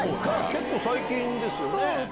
結構最近ですよね。